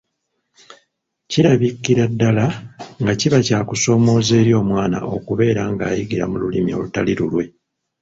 Kirabikira ddala nga kiba kya kusomooza eri omwana okubeera ng’ayigira mu Lulimi olutali lulwe.